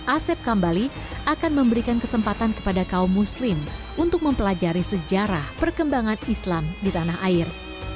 asep kambali akan memberikan kesempatan kepada kaum muslim untuk mempelajari sejarah perkembangan islam di tanah air